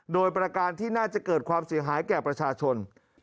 โดยประการที่น่าจะเกิดความเสียหายแก่ประชาชน